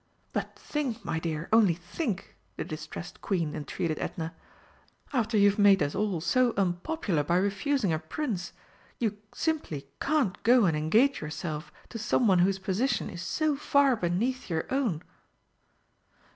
"But think, my dear, only think!" the distressed Queen entreated Edna. "After you've just made us all so unpopular by refusing a Prince, you simply can't go and engage yourself to some one whose position is so far beneath your own!"